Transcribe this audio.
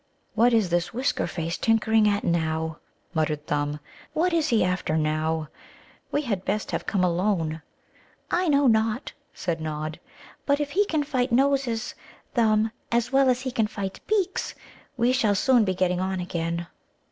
"What is this Whisker face tinkering at now?" muttered Thumb. "What is he after now? We had best have come alone." "I know not," said Nod; "but if he can fight Noses, Thumb, as well as he can fight Beaks, we shall soon be getting on again."